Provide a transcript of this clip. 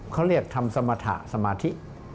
เขาเรียกทำสมรรถะสมาธิ